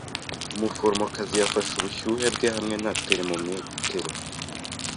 Umuforomokazi yafashe ubushyuhe bwe hamwe na termometero.